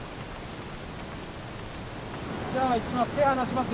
じゃあいきます。